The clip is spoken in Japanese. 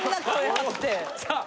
・さあ